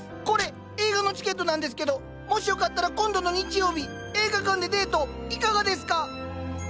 これ映画のチケットなんですけどもしよかったら今度の日曜日映画館でデートいかがですか？